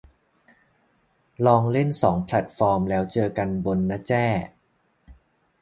ลองเล่นสองแพลตฟอร์มแล้วเจอกันบน นะแจ้